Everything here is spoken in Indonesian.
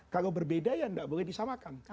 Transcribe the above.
kalau berbeda ya tidak boleh disamakan